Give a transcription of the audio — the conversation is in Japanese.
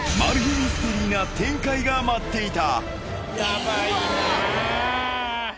ミステリーな展開が待っていた！